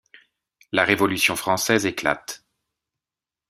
La Révolution française éclate.